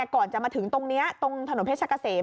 ก่อนจะมาถึงตรงนี้ตรงถนนเพชรกะเสม